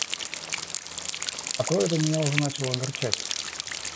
А то это меня уже начинало огорчать.